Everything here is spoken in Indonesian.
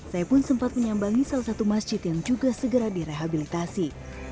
saya pun sempat menyambangi salah satu masjid yang juga segera direhabilitasi